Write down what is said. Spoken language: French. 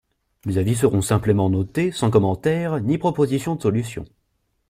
Les avis seront simplement notés sans commentaires ni proposition de solution.